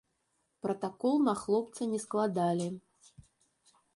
Пратакол на хлопца не складалі.